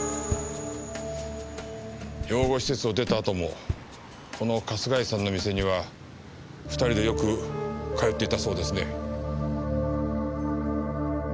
養護施設を出たあともこの春日井さんの店には２人でよく通っていたそうですね。